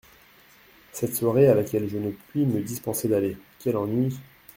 Cette soirée à laquelle je ne puis me dispenser d’aller… quel ennui !